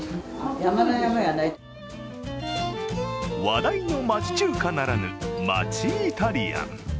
話題の町中華ならぬ町イタリアン。